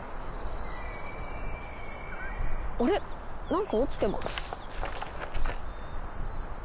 何か落ちてます。